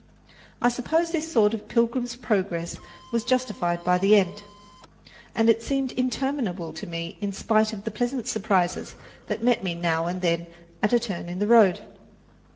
I suppose this sort of Pilgrim's Progress was justified by the end; but it seemed interminable to me, in spite of the pleasant surprises that met me now and then at a turn in the road.